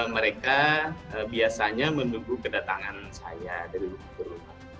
mereka biasanya menunggu kedatangan saya dari lumpurna